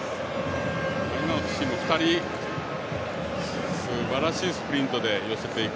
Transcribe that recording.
今のシーンも２人すばらしいスプリントで寄せていく。